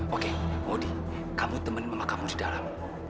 oke modi kamu temenin mama kamu di dalam